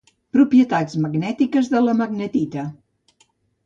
Propietats magnètiques de la magnetita